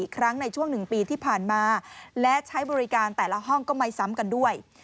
อีกครั้งในช่วง๑ปีที่ผ่านมาและใช้บริการแต่ละห้องก็ไม่ซ้ำกันด้วย